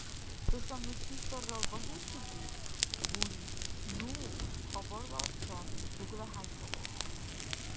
ХӀушаб ну чи саррал багьес дигив?! Бурис. Ну, хабарла арцан, ГуглахӀяй сабра.